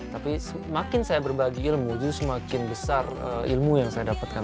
tapi semakin saya berbagi ilmu itu semakin besar ilmu yang saya dapatkan